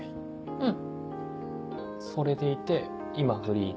うん。